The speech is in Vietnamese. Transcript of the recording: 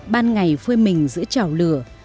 ban ngày phơi mình giữa chảo lửa